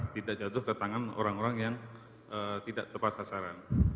tidak jatuh ke tangan orang orang yang tidak tepat sasaran